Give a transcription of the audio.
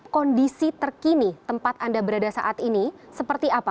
kondisi terkini tempat anda berada saat ini seperti apa